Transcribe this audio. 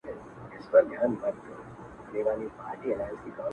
• خرامانه په سالو کي ګرځېدي مین دي کړمه,